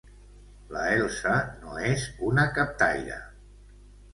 La Elsa no és una captaire!